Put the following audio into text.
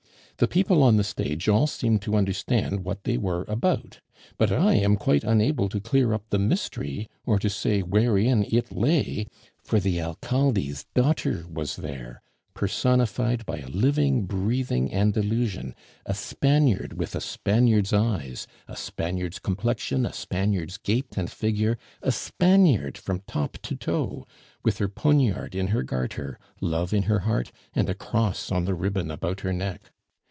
The people on the stage all seemed to understand what they were about, but I am quite unable to clear up the mystery, or to say wherein it lay; for the Alcalde's daughter was there, personified by a living, breathing Andalusian, a Spaniard with a Spaniard's eyes, a Spaniard's complexion, a Spaniard's gait and figure, a Spaniard from top to toe, with her poniard in her garter, love in her heart, and a cross on the ribbon about her neck.